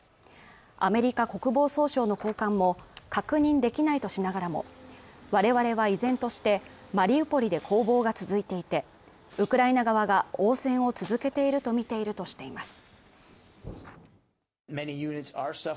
アメリカ国防総省の高官も確認できないとしながらも我々は依然としてマリウポリで攻防が続いていてウクライナ側が応戦を続けていると見ているとしています